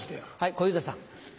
小遊三さん。